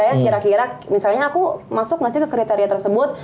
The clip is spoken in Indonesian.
saya kira kira misalnya aku masuk gak sih ke kriteria tersebut